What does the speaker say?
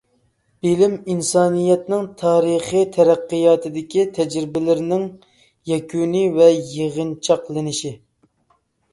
بىلىم ئىنسانىيەتنىڭ تارىخىي تەرەققىياتىدىكى تەجرىبىلىرىنىڭ يەكۈنى ۋە يىغىنچاقلىنىشى.